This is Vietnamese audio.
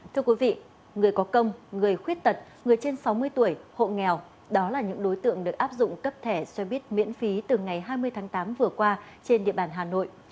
thưa quý vị người có công người khuyết tật người trên sáu mươi tuổi hộ nghèo đó là những đối tượng được áp dụng cấp thẻ xoay bít miễn phí từ ngày hai mươi tháng tám vừa qua trên địa bàn hà nội